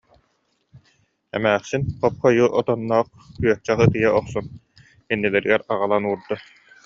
Эмээхсин хоп-хойуу отонноох күөрчэх ытыйа охсон, иннилэригэр аҕалан уурда